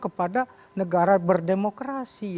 kepada negara berdemokrasi